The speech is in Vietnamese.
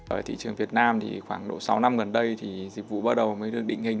ở thị trường việt nam thì khoảng độ sáu năm gần đây thì dịch vụ bắt đầu mới được định hình